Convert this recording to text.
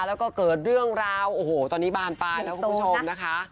แล้วก็เกิดเรื่องราวโอ้โหตอนนี้บานปลายนะคุณผู้ชมนะคะ